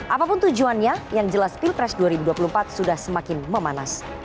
apapun tujuannya yang jelas pilpres dua ribu dua puluh empat sudah semakin memanas